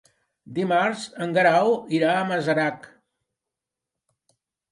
Dimarts en Guerau irà a Masarac.